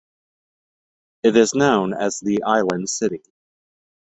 It is known as "The Island City".